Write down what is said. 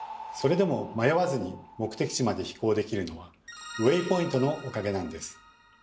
それでも迷わずに目的地まで飛行できるのは「ウェイポイント」のおかげなんです。